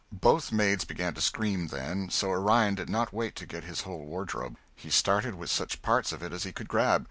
Both maids began to scream then, so Orion did not wait to get his whole wardrobe. He started with such parts of it as he could grab.